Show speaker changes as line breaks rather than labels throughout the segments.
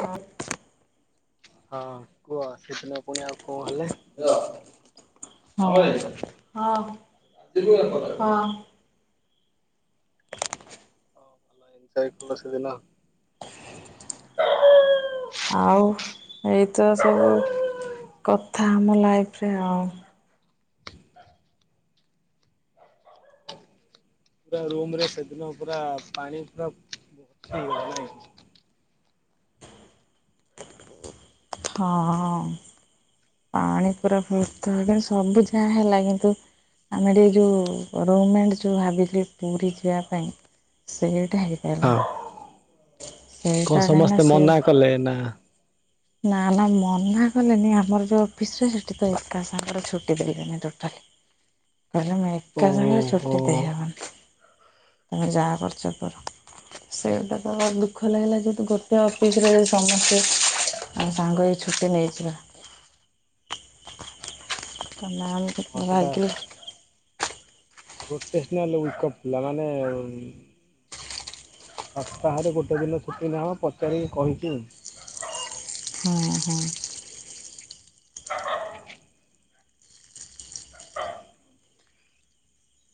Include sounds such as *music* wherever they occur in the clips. ହଁ।
ହଁ କୁଅ ସେଦିନ ପୁଣି ଆଉ କଣ ହେଲେ?
ହଁ ହଁ ହଁ।
*unintelligible* ସେଦିନ।
ଆଉ ଏଇ ତ ସବୁ କଥା ଆମ ଲାଇଫରେ ଆଉ।
ପୁରା ରୁମ ରେ ସେଦିନ ପୁରା ପାଣି ପୁରା। *unintelligible*
ହଁ ପାଣି ପୁରା ଫୁଲ ତ ସବୁ ଯାହା ହେଲା କିନ୍ତୁ ଆମେ ଟିକେ ଯୋଉ ରୁମ୍ ମେଣ୍ଟ ଯୋଉ ଭାବିଥିଲି ପୁରୀ ଯିବା ପାଇଁ ସେଇଟା ହେଇ ହେଲା।
ହଁ। କଣ ସମସ୍ତେ ମନା କଲେ ନା।
ନା ନା ମନା କଲେନି ଆମର ଯଉଁ ଅଫିସ୍ ରେ ସେଠି ତ ଏକା ସାଙ୍ଗରେ ଛୁଟି ଦେଲେନି ଟୋଟାଲି। କହିଲେ ମୁଁ ଏକା ସାଙ୍ଗରେ
ଓହୋ।
ଚୁଟି ଦେଇହବନି। ତୁମେ ଯାହା କରୁଚ କର। ସେଇଟା ତ ଦୁଃଖ ଲାଗିଲା ଯେହେତୁ ଗୋଟେ ଅଫିସରେ ସମସ୍ତେ ଆମେ ସାଙ୍ଗ ହେଇ ଛୁଟି ନେଇଜିବା। *unintelligible*
ହଁ ସେଟା *unintelligible* ମାନେ ସପ୍ତାହରେ ଗୋଟେ ଦିନ ଛୁଟି ନାଁହ ପଚାରିକି କହିଛିି ଆଉ।
ହଁ ହଁ।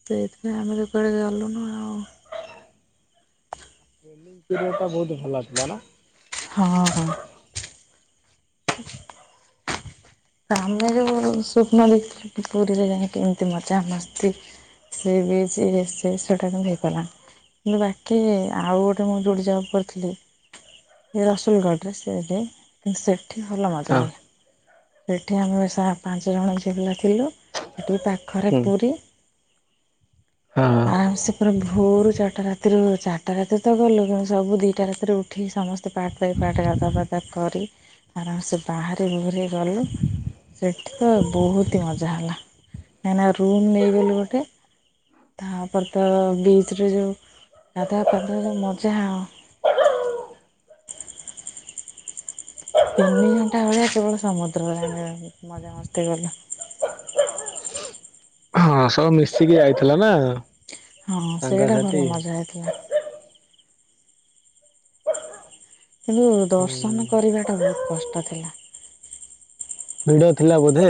ସେଇଥିପାଇଁ ଆମେ ତ କୁଆଡ଼େ ଗଲୁନୁ ଆଉ।
*unintelligible* ବହୁତ ଭଲ ଥିଲା ନା।
ହଁ ହଁ। ତ ଆମେ ଯୋଉ ସ୍ୱପ୍ନ ଦେଖିଥିଲୁ ପୁରୀରେ ଯାଇକି ଏମିତି ମଜା ମସ୍ତି। ସି ବିଜ ରେ ସେଇଟା *unintelligible* ହେଇପାରିଲାନି। କିନ୍ତୁ ବାକି ଆଉ ଗୋଟେ ମୁଁ ଯୋଡ଼ି ଜବ କରିଥିଲି ଏ ରସୁଲଘଡ଼ରେ ସେଠ୍ ଇନ୍ସେଟ ଏଠି ଭଲ ମଜା
ହଁ
ହେଲେ ସେଠି ଆମେ ଶା ପାଞ୍ଚ ଜଣ ଏକେଲା ଥିଲୁ ସେଠି ପାଖରେ
ହୁଁ
ପୁରୀ
ହଁ।
ଆରାମ ସେ ପୁରା ଭୋରୁ ଚାରିଟା ରାତିରୁ ଚାରିଟା ରାତିରେ ତ ଗଲୁ କିନ୍ତୁ ସବୁ ଦିଟା ରାତିରେ ଉ ଠିକି ସମସ୍ତେ ପାଟ୍ ବାଇ ପାଟ୍ ଗାଧା ପାଦା କରି ଆରାମସେ ବାହାରି ବୁହରି ଗଲୁ। ସେଠୁ ତ ବହୁତ ହି ମଜା ହେଲା କାହିଁକିନା ରୁମ୍ ନେଇଗଲୁ ଗୋଟେ। ତାପରେ ତ ବିଚ୍ ରେ ଯୋଉ ଗାଧୁଆ ପାଧୁଆ ଯୋଉ ମଜା ଆ ତିନି ଘଣ୍ଟା ଭେଳିଆ କେବଳ ସମୁଦ୍ରରେ ଆମେ ମଜାମସ୍ତି କଲୁ।
ହଁ ସବୁ ମିଶିକି ଯାଇଥିଲା ନା?
ହଁ ସେଇଟା
ସାଙ୍ଗସାଥି
ଭଲ ମଜା ହେଇଥିଲା। କିନ୍ତୁ
ହୁଁ
ଦର୍ଶନ କରିବାଟା ବହୁତ କଷ୍ଟ ଥିଲା।
ଭିଡ ଥିଲା ବୋଧେ।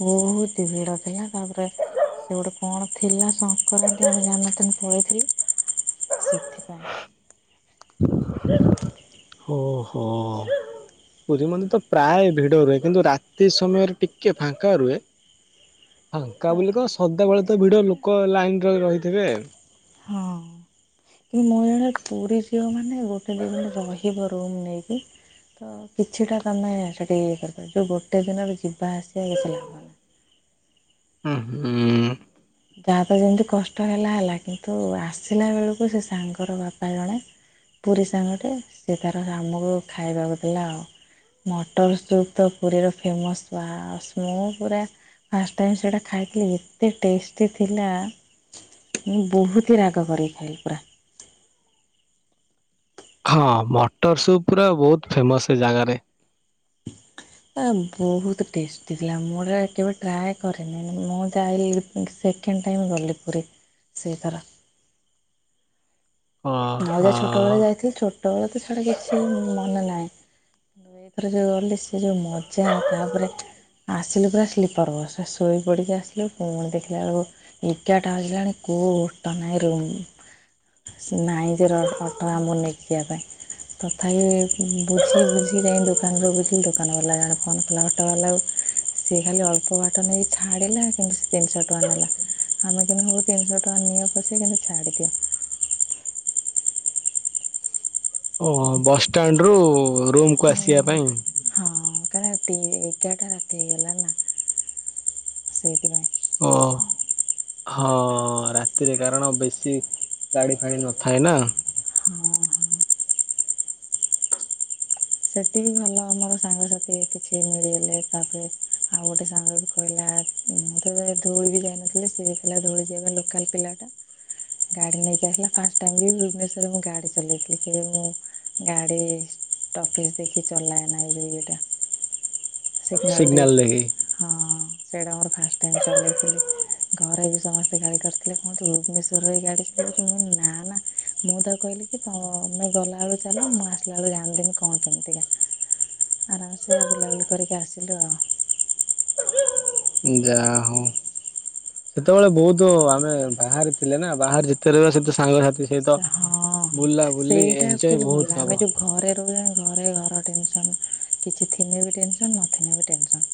ବହୁତି ଭିଡ ଥିଲା। ତା ପରେ ସେ ଗୋଟେ କଣ ଥିଲା ସଂକ୍ରାନ୍ତି ଆମେ ଜାଣି ନ ଥିଲୁ ପଳେଇ ଥିଲୁ, ସେଥିପାଇଁ?
ଓହୋ। ପୁରୀ ମନ୍ଦିର ତ ପ୍ରାୟ ଭିଡ଼ ରୁହେ କିନ୍ତୁ ରାତି ସମୟରେ ଟିକେ ଫାଙ୍କା ରୁହେ। ଫାଙ୍କା ବୋଲି କଣ,
ରାତିରେ
ସଦାବେଳେ ତ ଭିଡ
ସେଟା
ଲୋକ ଲାଇନରେ ରହିଥିବେ?
ହଁ। କିନ୍ତୁ ମୋ ଜଣିବାରେ ପୁରୀ ଝିବ ମାନେ ଗୋଟେ ଦୁଇ ଦିନ ରହିବ ରୁମ୍ ନେଇ କି? ତ କିଛିଟା ତ ଆମେ, ସେଠି ଇଏ କରିପାରିବୁ, ଯେଉଁ ଗୋଟେ ଦିନରେ ଯିବା ଆସିବା ଇଏ ସିଏ କିଛି ଲାଭ ନାହିଁ।
*inaudible* ଉଁ।
ଯାହା ତ ଯେମିତି କଷ୍ଟ ହେଲା ହେଲା କିନ୍ତୁ ଆସିଲା ବେଳକୁ ସେ ସାଙ୍ଗର ବାପା ଜଣେ ପୁରୀ ସାଙ୍ଗଟେ, ସେ ତାର ଆମକୁ ଖାଇବାକୁ ଦେଲା ଆଉ। ମଟର ସୁପ୍ ତ ପୁରୀର ଫେମସ୍। ୱାଅ, ମୁଁ ପୁରା ଫାଷ୍ଟ ଟାଇମ୍ ସେଇଟା ଖାଇଥିଲି, ଏତେ ଟେଷ୍ଟ ଏତେ ଥିଲା। ମୁଁ ବହୁତ ହିଁ ରାଗ କରେଇ ଖାଇଲି ପୁରା।
ହଁ ମଟର ସୁପ୍ ପୁରା ବହୁତ ଫେମସ୍, ସେ ଜାଗାରେ।
ଆ ବହୁତ ଟେଷ୍ଟି ଥିଲା। ମୁଁ ଗୋଟା କେବେ ଟ୍ରାଏ କରିନି। ମୁଁ ଯାଇ ସେକେଣ୍ଡ ଟାଇମ୍ ଗଲି ପୁରୀ, ସେଇ ଥର। ଆଉ
ଓହୋ
ଯାହା ଛୋଟବେଳେ ଯାଇଥିଲି। ଛୋଟବେଳେ ତ ଛାଡ କିଛି ମନେ ନାହିଁ। ଏଇଥର ଯୋଉ ଗଲି, ସେ ଯୋଉ ମଜା। ତା ପରେ ଆସିଲୁ ପୁରା ସ୍ଲିପର ବସରେ ଶୋଇପଡ଼ିକି ଆସିଲୁ। ପୁଣି ଦେଖିଲା ବେଳକୁ ଏଗାରଟା ବାଜିଲଣି କୋଉ ଗୋଟା ନାହିଁ ରୁମ୍। ନାଇଁ *unintelligible* ଅଟୋ ଆମକୁ ନେଇକି ଯିବା ପାଇଁ। ତଥାପି ବୁଝି ବୁଝି ଯାଇ ଦୋକାନରୁ ବୁଝିଲି, ଦୋକାନ ବାଲା ଜଣେ ଫୋନ୍ କଲା ବ ଅଟୋ ବାଲାକୁ। ସିଏ ଖାଲି ଅଳ୍ପ ବାଟ ନେଇ ଛାଡିଲା କିନ୍ତୁ ତିନିଶହ ଟଙ୍କା ନେଲା। ଆମେ କିନ୍ତୁ ମୁଁ ତିନିଶହ ଟଙ୍କା ନିଅ ପଛେ କିନ୍ତୁ ଛାଡିଦିଅ।
ବସ୍ ଷ୍ଟାଣ୍ଡରୁ ରୁମ୍
ହୁଁ। ହଁ କାଇଁ ନା ଏତେ ଏଗାରଟା ରାତି ହେଇଗଲା ନା। ସେଇଥିପାଇଁ।
ଓ। ହଁ। ରାତିରେ କାରଣ ବେଶି ଗାଡ଼ି ଫାଡ଼ି ନ ଥାଏ, ନା।
ହଁ ହଁ। ସେଠି ବି ଭଲ ଆମର ସାଙ୍ଗସାଥି କିଛି ମିଳିଗଲେ। ତା ପରେ ଆଉ ଗୋଟେ ସାଙ୍ଗ ବି କହିଲା ମୁଁ ତ ଧଉଳି ବି ଯାଇନଥିଲି ସିଏ ବି ଥିଲା ଧଉଳି ଯିବା ପାଇଁ ଲୋକାଲ ପିଲାଟା। ଗାଡି ନେଇକି ଆସିଲା। ଫାଷ୍ଟ୍ ଟାଇମ୍ ବି ଭୁବନେଶ୍ଵରରେ ମୁଁ ଗାଡି ଚଲେଇ ଥିଲି। କିବେ ମୁଁ ଗାଡି ଟ୍ରାଫିସ୍ ଦେଖି ଚଲାଏନା ଇଏଟା। ସିଗ୍ନାଲ୍
ସିଗ୍ନାଲ
ଦେଇକି।
ଦେଖି
ହଁ, ସେଇଟା ମୋର ଫାଷ୍ଟ ଟାଇମ୍ ଚଲେଇ ଥିଲି। ଘରେ ବି ସମସ୍ତେ ଗାଳି କରିଥିଲେ। କଣ ଭୁବନେଶ୍ୱରରେ ବି ଗାଡି ଚଲଉଛୁ। ମୁ କ ଇଲି ନା ନା। ମୁଁ ତ କହିଲି ତ ଆମେ ଗଲା ଭାଇ କଇଲେ ଚାଲ ମୁଁ ଆସିଲା ବେଳକୁ ଜାଣିଲି, ମୁଁ କଣ କେମିତିକା। ଆରାମ୍ ସେ ବୁଲାବୁଲି କରି କି ଆସିଲୁ।
ଯା ହଉ। ସେତେବେଳେ ବହୁତ ଆମେ ବାହାରେ ଥିଲେ ନା ବାହାରେ ଯେତେ ରହିବା ସେତେ ସାଙ୍ଗସଥି
ହଁ ହଁ ସେଇଟା
ଏଞ୍ଜୟ
ଆକ୍ଚୁଆଲି
ବହୁତ
ଭଲ
ହବ
ଆମେ ଯୋଉ ଘରେ *unintelligible* ଘରେ ଘର ଟେନସନ କିଛି ଥିନେ ବି ଟେନସନ ନଥିନେ ବି ଟେନସନ।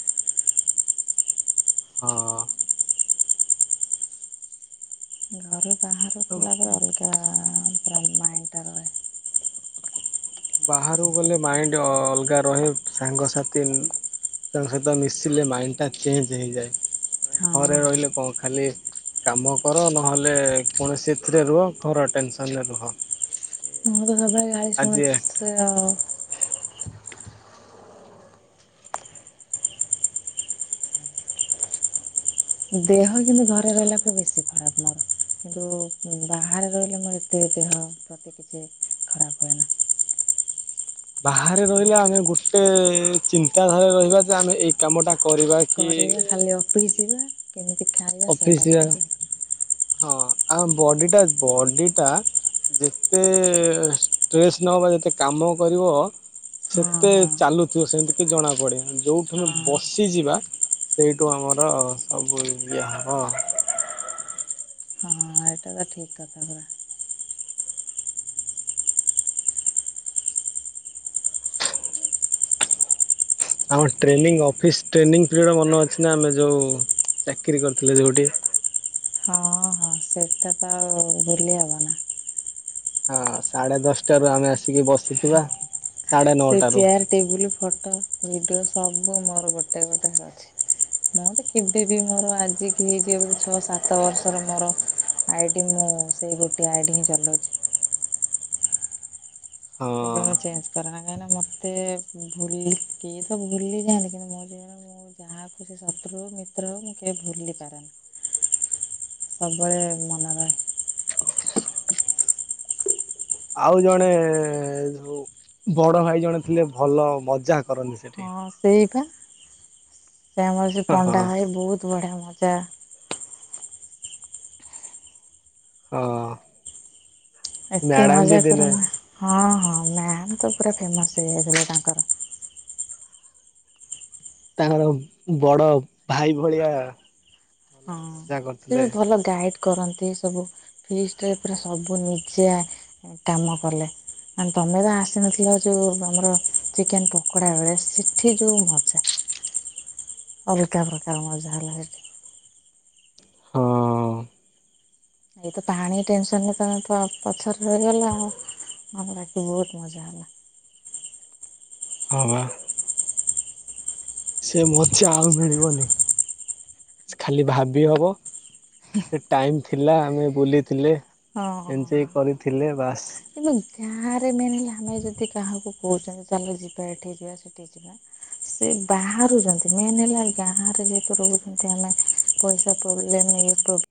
ହଁ।
ଘରୁ ବାହାର କଲେ ଅଲଗା ପ୍ରାୟ ମାଇଣ୍ଡ ରହେ।
ବାହାରକୁ ଗଲେ ମାଇଣ୍ଡ ଅ ଅଲଗା ରହେ। ସାଙ୍ଗସାଥି ତାଙ୍କ ସହିତ ମିଶିଲେ ମାଇଣ୍ଡଟା ଚେଞ୍ଜ୍ ହେଇଯାଏ।
ହଁ
ଘରେ
ହଁ
ରହିଲେ କଣ ଖାଲି କାମ କର ନହେଲେ କୌଣସି ଏଥିରେ ରୁହ ଖର ଟେନସନରେ ରୁହ।
ମୁଁ ତ ସବବେଳେ ଗାଳି
ଆଜି
ଶୁଣୁଛି
ଏଟା
ସେ ଆଉ। ଦେହ କିନ୍ତୁ ଘରେ ରହିଲା ପରେ ବେଶୀ ଖରାପ ମୋର କିନ୍ତୁ ବାହାରେ ରହିଲେ ମୋ ତ ଦେହ ପ୍ରତି କିଛି ଖରାପ ହୁଏନା
ବାହାରେ ରହିଲେ ଆମେ ଗୋଟେ ଚିନ୍ତାଧାରା ରହିବା ଯେ ଆମେ ଏଇ କାମ ଟା କରିବା। କି
କରିବା ଖାଲି ଅଫିଯିବା କେମିତି ଖାଇବା
ଅଫିସ
ସେଇଲା।
ଯିବା ହଁ ଆଉ ବଡିଟା ବଡିଟା ଯେତେ ଷ୍ଟ୍ରେସ୍ ନ ବା ଯେତେ କାମ କରିବ।
ହଁ
ସେତେ
ହଁ
ଚାଲୁଥିବ ସେମିତି କି ଜଣାପଡ଼େ ଯେଉଁଠୁ
ହଁ
ଆମେ
ହଁ
ବସିଯିବା। ସେଇଠୁ ଆମର ସବୁ ଇଏ ହବ।
ହଁ ଏଇଟା ତ ଠିକ କଥା ପୁରା।
ଆମ ଟ୍ରେନିଂ ଅଫିସ୍ ଟ୍ରେନିଂ ପିରିୟଡ଼ ମନେ ଅଛି ନା ଆମେ ଯେଉଁ ଚାକିରି କରିଥିଲେ ଯେଉଁଠି।
ହଁ ହଁ। ହଁ ସେଇଟା ତ ଆଉ ଭୁଲି ହବ ନା।
ହଁ ସାଢ଼େ ଦଶଟାରୁ ଆମେ ଆସିକି ବସିଥିବା। ସାଢ଼େ
ସେ
ନଅଟାରୁ
ଚେୟାର ଟେବୁଲ ଫଟୋ ଭିଡିଓ ସବୁ ମୋର ଗୋଟେ ଗୋଟେ ଅଛି। ମୁଁ ତ କେବେ ବି ମୋର ଆଜିିକି ହେଇଯିବ ଛଅ ସାତ ବର୍ଷର ମୋର ଆଇଟି ମୁଁ ସେଇ ଗୋଟିଏ ଆଇଟି ହିଁ ଚାଲୋଉଛି।
ହଁ
କେବେ ଚେଞ୍ଜ କରରେନା କାହିଁକିନା ମୋତେ ଭୁଲିକି ଭୁଲି ଯାଆନ୍ତି କିନ୍ତୁ ମୋ ମୁଁ ଯାହାକୁ ସେ ଶତ୍ରୁ ମିତ୍ର ହେଉ ମୁଁ କେବେ ଭୁଲି ପାରେନା। ସବୁବେଳେ ମନେ ରହେ।
ଆଉ ଜଣେ ଯୋଉ ବଡ ଭାଇ ଜଣେ ଥିଲେ ଭଲ ମଜାକ
ହଁ ସେଇବା ସେ ଆମର ସେ
ହଁ।
ପଣ୍ଡା
ହଁ
ହ ବହୁତ ବଢ଼ିଆ ମଜା
ହଁ।
ଏତେ
ମ୍ୟାଡାମ ବି
ମଜା
ଦିନେ
କରନା ହଁ ହଁ ନାତ ପୁରା ଫେମସ୍ ହେଇଯାଇଥିଲା ତାଙ୍କର।
ତାଙ୍କର ବଡ଼ ଭାଇ ଭଳିଆ।
ହଁ
ଭଲ ମଜା
ସେ
କରୁଥିଲେ
ବି ଭଲ ଗାଇଡ଼୍ କରନ୍ତି ସବୁ ଫ୍ରିଷ୍ଟ ସବୁ ନିଜେ କାମ କଲେ। ତମେ ତ ଆସିନଥିଲ ଯୋଉ ଆମର ଚିକେନ ପକୋଡ଼ା ବେଳେ ସେଠି ଯଉ ମଜା। ଅଲଗା ପ୍ରକାର ମଜା ହେଲା ସେଠୀ।
ହଁ
ଏଇତ ପାଣି ଟେନସନରେ ତମେ ପ-ପଛରେ ରହିଗଲା ଆଉ। ଆମର ରାତି ବହୁତ ମଜା ହେଲା।
ହଁବା। ସେ ମୋଜା ଆଉ ମିଳିବନି। ଖାଲି ଭାବି ହେବ ଗୋଟେ ଟାଇମ୍ ଥିଲା ଆମେ ବୁଲିଥିଲେ। ଏଞ୍ଜୟ
ହଁ।
କରିଥିଲେ ବାସ୍।
କିନ୍ତୁ ଗାଁ ରେ ମେନ ହେଲା ଆମେ ଯଦି କାହାକୁ କହୁଛନ୍ତି ଚାଲ ଯିବା ଏଠି ଯିବା ସେଠି ଯିବା ସେ ବାହାରୁଛନ୍ତି ମେନ୍ ହେଲା ଗାଁ ରେ ଯେହେତୁ ରହୁଛନ୍ତି ଆମେ ପଇସା ପ୍ରବ୍ଲେମ୍ ଇଏ ପ୍ରବ